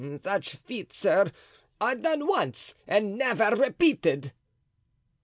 "Such feats, sir, are done once—and never repeated."